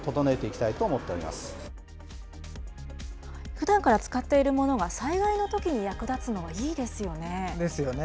ふだんから使っているものが、災害のときに役立つのはいいですよね。